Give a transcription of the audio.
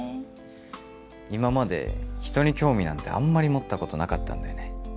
今まで人に興味なんてあんまり持ったことなかったんだよね